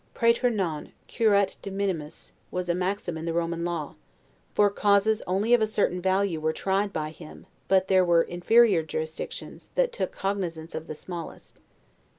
'Praetor non, curat de minimis', was a maxim in the Roman law; for causes only of a certain value were tried by him but there were inferior jurisdictions, that took cognizance of the smallest.